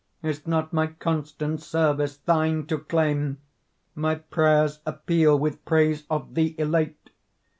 Is not my constant service thine to claim, My prayer's appeal with praise of thee elate?